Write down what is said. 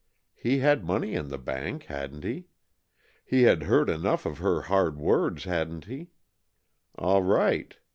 He had money in the bank, hadn't he? He had heard enough of her hard words, hadn't he? All right!